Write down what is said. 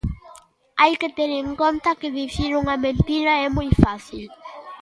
Hai que ter en conta que dicir unha mentira é moi fácil.